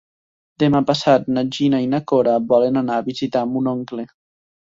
Demà passat na Gina i na Cora volen anar a visitar mon oncle.